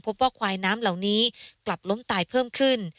พบว่าควายน้ำเหล่านี้กลับล้มตายเพิ่มขึ้น